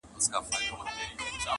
د بوډا وو یو لمسی اته کلن وو!.